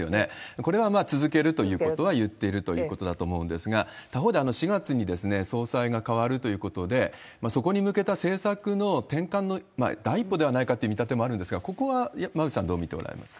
これは続けるということは言っているということだと思うんですが、他方で、４月に総裁がかわるということで、そこに向けた政策の転換の第一歩ではないかという見立てもあるんですが、ここは馬渕さん、どう見ておられますか？